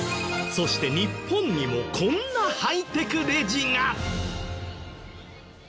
そして日本にもこんなハイテクレジが！